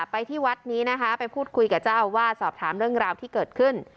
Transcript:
ไปที่วัดนี้นะคะไปพูดคุยกับเจ้าอาวาสสอบถามเรื่องราวที่เกิดขึ้น